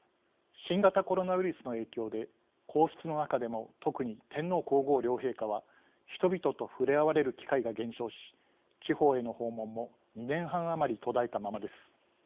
新型コロナウイルスの影響で皇室の中でも特に天皇皇后両陛下は人々と触れ合われる機会が減少し地方への訪問も２年半余り途絶えたままです。